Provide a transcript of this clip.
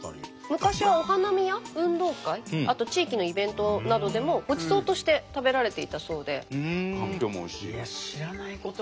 昔はお花見や運動会あと地域のイベントなどでもごちそうとして食べられていたそうで。